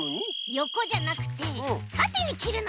よこじゃなくてたてにきるの！